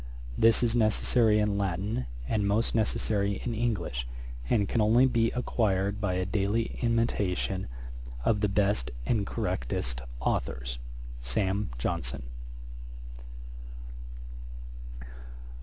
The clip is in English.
This is necessary in Latin, and more necessary in English; and can only be acquired by a daily imitation of the best and correctest authours. 'SAM. JOHNSON.'